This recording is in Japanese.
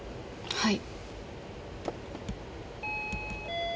はい。